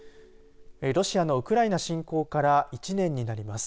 ロシアのウクライナ侵攻から１年になります。